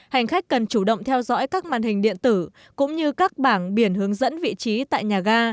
hành khách cần chủ động theo dõi các màn hình điện tử cũng như các bảng biển hướng dẫn vị trí tại nhà ga